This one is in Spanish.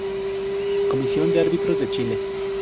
Comisión de Árbitros de Chile